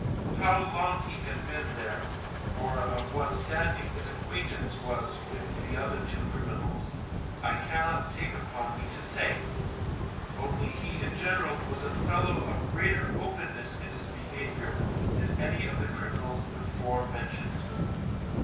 How long he had been there, or of what standing his acquaintance was with the other two criminals, I cannot take upon me to say, only he in general was a fellow of greater openness in his behaviour than any of the criminals before mentioned.